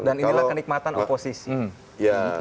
dan inilah kenikmatan oposisi